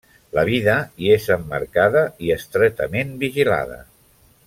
La vida hi és emmarcada i estretament vigilada.